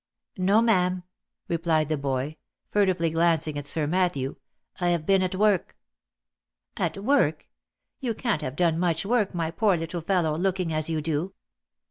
'" No, ma'am," replied the toy, furtively glancing at Sir Matthew, " I have been at work." " At work ! You can't have done much work, my poor little fellow, looking as you do."